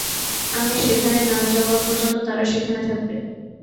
আমি সেখানে না যাওয়া পর্যন্ত তারা সেখানে থাকবে।